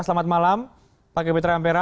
selamat malam pak kapitra ampera